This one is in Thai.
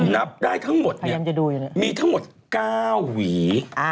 นับได้ทั้งหมดเนี่ยมีทั้งหมด๙หวี